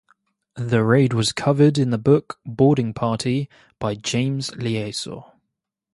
The raid was covered in the book "Boarding Party" by James Leasor.